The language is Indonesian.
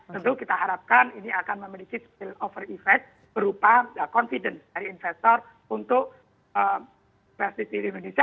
tentu kita harapkan ini akan memiliki skill over effect berupa confidence dari investor untuk psbb di indonesia